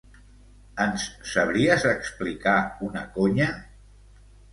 Ens sabries explicar una conya?